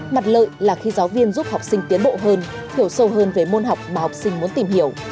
mặt lợi là khi giáo viên giúp học sinh tiến bộ hơn hiểu sâu hơn về môn học mà học sinh muốn tìm hiểu